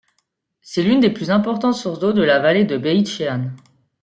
C'est l'une des plus importantes sources d'eau de la vallée de Beït-Shéan.